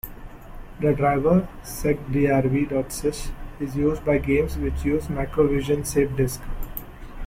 The driver, secdrv.sys, is used by games which use Macrovision SafeDisc.